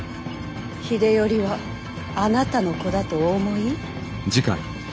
秀頼はあなたの子だとお思い？